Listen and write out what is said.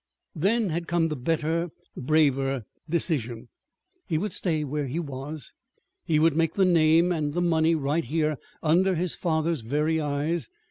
Then had come the better, braver decision. He would stay where he was. He would make the name and the money right here, under his father's very eyes.